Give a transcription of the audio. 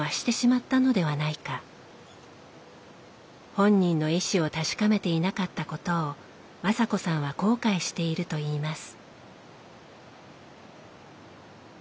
本人の意思を確かめていなかったことを雅子さんは後悔しているといいます。